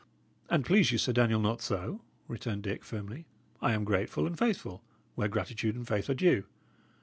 "An't please you, Sir Daniel, not so," returned Dick, firmly. "I am grateful and faithful, where gratitude and faith are due.